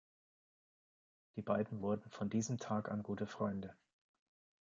Die beiden wurden von diesem Tag an gute Freunde.